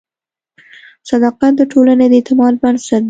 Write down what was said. صداقت د ټولنې د اعتماد بنسټ دی.